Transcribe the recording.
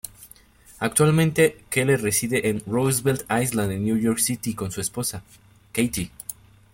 Actualmente Keller reside en Roosevelt Island en New York City con su esposa, Kathy.